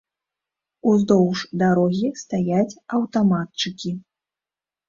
Уздоўж дарогі стаяць аўтаматчыкі.